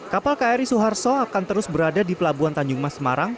kapal kri suharto akan terus berada di pelabuhan tanjung mas semarang